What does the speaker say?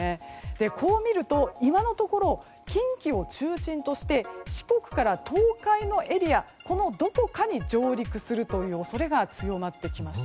こう見ると、今のところ近畿を中心として四国から東海のエリアのどこかに上陸するという恐れが強まってきました。